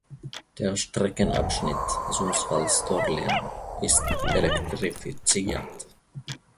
Der Streckenabschnitt Sundsvall–Storlien ist elektrifiziert.